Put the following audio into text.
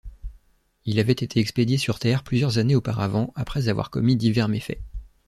Il avait été expédié sur Terre plusieurs années auparavant après avoir commis divers méfaits.